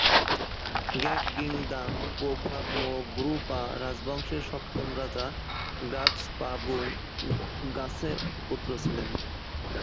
ঙ্গাগ-গি-দ্বাং-পো ফাগ-মো-গ্রু-পা রাজবংশের সপ্তম রাজা গ্রাগ্স-পা-'ব্যুং-গ্নাসের পুত্র ছিলেন।